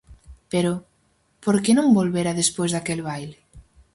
Pero, por que non volvera despois daquel baile?